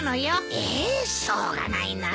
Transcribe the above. えーっしょうがないなあ。